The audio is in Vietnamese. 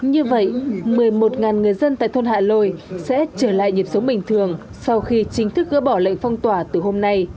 như vậy một mươi một người dân tại thôn hạ lôi sẽ trở lại nhịp sống bình thường sau khi chính thức gỡ bỏ lệnh phong tỏa từ hôm nay